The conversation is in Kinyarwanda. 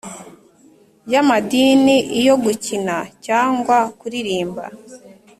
y amadini iyo gukina cyangwa kuririmba